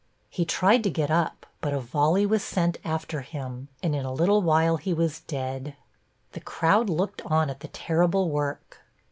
He tried to get up, but a volley was sent after him, and in a little while he was dead. The crowd looked on at the terrible work.